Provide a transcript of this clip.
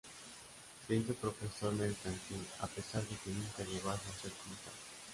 Se hizo profesor mercantil, a pesar de que nunca llegó a ejercer como tal.